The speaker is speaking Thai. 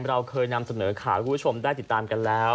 เราเคยนำเสนอข่าวให้คุณผู้ชมได้ติดตามกันแล้ว